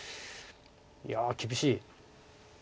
いや厳しい！